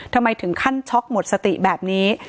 ทำไมถึงขั้นช็อกหมดสติแบบนี้